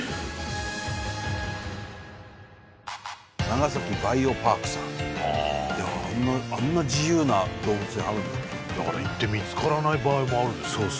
長崎バイオパークさんあんな自由な動物園あるんだってだから行って見つからない場合もあるでしょ